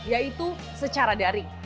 yaitu secara daring